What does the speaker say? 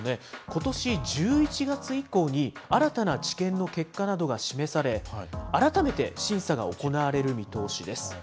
ことし１１月以降に、新たな治験の結果などが示され、改めて審査が行われる見通しです。